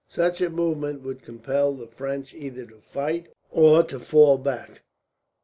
Such a movement would compel the French either to fight or to fall back.